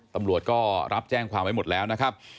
ตำรวจก็รับแจ้งความไว้หมดแล้วนะครับ